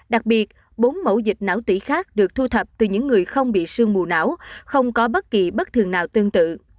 đặc biệt bốn mẫu dịch não tỷ khác được thu thập từ những người không bị sương mù não không có bất kỳ bất thường nào tương tự